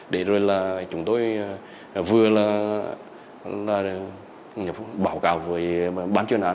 để rồi là chúng tôi vừa là báo cáo với ban chuyên án